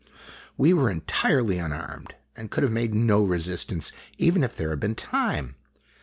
We were entirely unarmed, and could have made no resistance even if there had been time.